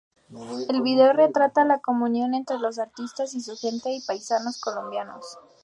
El video retrata la comunión entre el artista y su gente, sus paisanos colombianos.